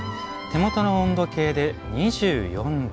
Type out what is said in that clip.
手元の温度計で２４度。